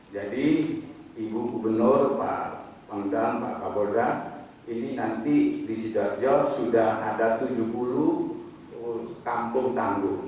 jadi ibu gubernur pak mendang pak kabodra ini nanti di sidarjo sudah ada tujuh puluh kampung tangguh